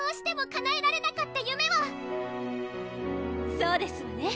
そうですわね